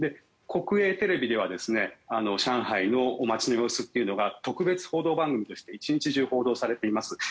国営テレビでは上海の街の様子というのが特別報道番組として１日中報道されています。